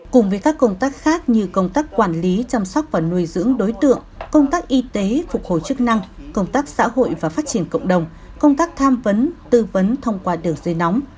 cùng với các công tác khác như công tác quản lý chăm sóc và nuôi dưỡng đối tượng công tác y tế phục hồi chức năng công tác xã hội và phát triển cộng đồng công tác tham vấn tư vấn thông qua đường dây nóng